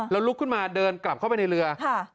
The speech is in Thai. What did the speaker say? แล้วลุกขึ้นมาเดินกลับเข้าไปในเรือ